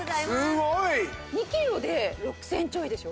すごい！２キロで６０００円ちょいでしょ？